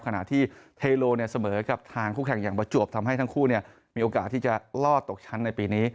ขณะที่เทโลเสมอกับทางคู่แข่งอย่างประจวบทำให้ทั้งคู่มีโอกาสที่จะรอดตกชั้นในปีนี้